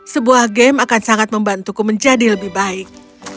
sebuah game akan sangat membantuku menjadi lebih baik